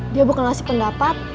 dia bukan ngasih pendapat